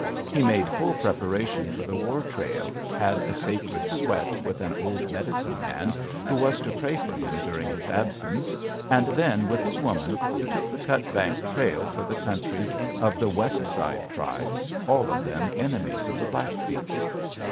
He made full preparation for the war trail, had a sacred sweat with an old medicine man, who was to pray for him during his absence, and then, with his woman, he took the Cutbank trail for the country of the West Side tribes, all of them enemies of the Blackfeet.